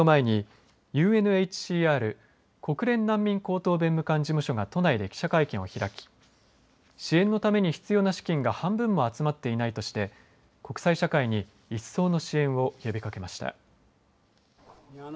これを前にＵＮＨＣＲ国連難民高等弁務官事務所が都内で記者会見を開き支援のために必要な資金が半分も集まっていないとして国際社会に一層の支援を呼びかけました。